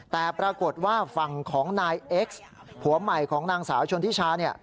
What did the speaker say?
แต่ปรากฏว่าฝั่งของนายเอ็กซ์ผัวใหม่ของนางสาวชนทิชาเนี่ย